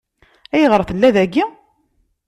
Ayɣer tella dagi?